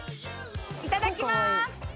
いただきまーす！